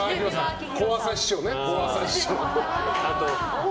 小朝師匠とかね。